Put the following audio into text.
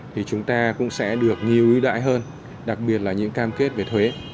thì chúng ta cũng sẽ được nhiều ưu đãi hơn đặc biệt là những cam kết về thuế